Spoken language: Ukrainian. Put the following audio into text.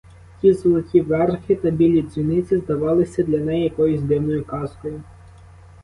Ті золоті верхи та білі дзвіниці здавалися для неї якоюсь дивною казкою.